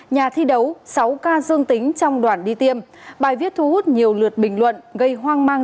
nhà thi đấu sáu ca dương tính trong đoàn đi tiêm bài viết thu hút nhiều lượt bình luận gây hoang mang